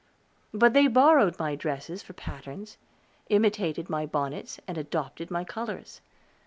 But they borrowed my dresses for patterns, imitated my bonnets, and adopted my colors.